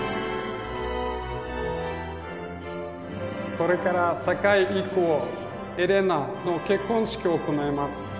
これから酒井郁夫エレナの結婚式を行います。